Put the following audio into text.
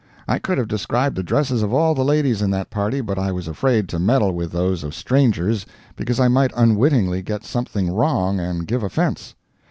I could have described the dresses of all the ladies in that party, but I was afraid to meddle with those of strangers, because I might unwittingly get something wrong, and give offense.